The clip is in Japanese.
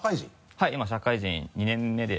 はい今社会人２年目で。